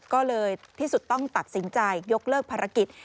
ก็เลยที่สุดต้องตัดสินใจยกเลิกภารกิจ